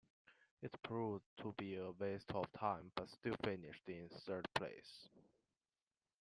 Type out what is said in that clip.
It proved to be a waste of time, but still finished in third place.